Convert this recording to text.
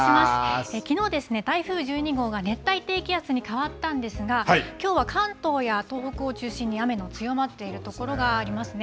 きのう、台風１２号が熱帯低気圧に変わったんですが、きょうは関東や東北を中心に、雨の強まっている所がありますね。